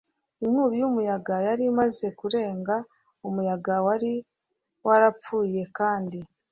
inkubi y'umuyaga yari imaze kurengana. umuyaga wari warapfuye kandi